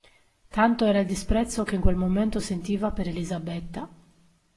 Tanto era il disprezzo che in quel momento sentiva per Elisabetta.